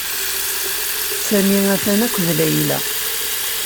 Sami atan akked Layla.